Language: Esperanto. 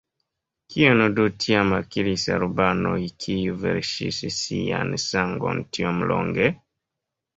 Kion do tiam akiris albanoj kiuj verŝis sian sangon tiom longe?